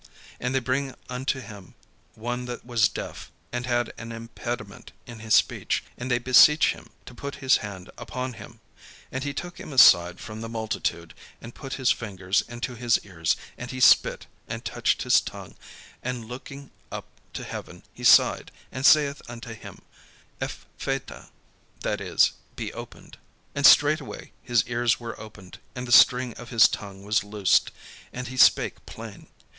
And they bring unto him one that was deaf, and had an impediment in his speech; and they beseech him to put his hand upon him. And he took him aside from the multitude, and put his fingers into his ears, and he spit, and touched his tongue; and looking up to heaven, he sighed, and saith unto him, "Ephphatha," that is, "Be opened." And straightway his ears were opened, and the string of his tongue was loosed, and he spake plain.